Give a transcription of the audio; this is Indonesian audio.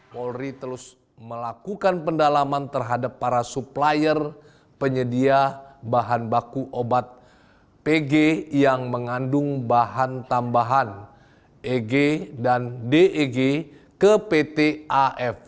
polri terus melakukan pendalaman terhadap para supplier penyedia bahan baku obat pg yang mengandung bahan tambahan eg dan deg ke pt af